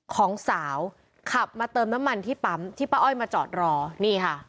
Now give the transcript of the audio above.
ของสาวขับมาเติมน้ำมันที่ปั๊มที่ป้าอ้อยมาจอดรอนี่ค่ะ